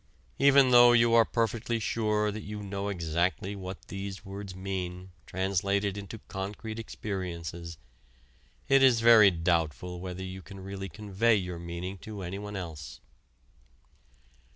Even though you are perfectly sure that you know exactly what these words mean translated into concrete experiences, it is very doubtful whether you can really convey your meaning to anyone else.